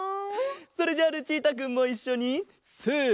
それじゃあルチータくんもいっしょにせの。